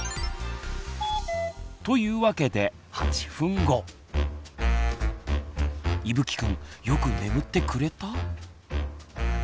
というわけでいぶきくんよく眠ってくれた？